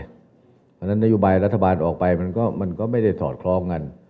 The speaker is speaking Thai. เพราะฉะนั้นนโยบายรัฐบาลออกไปมันก็ไม่ได้สอดคล้องกัน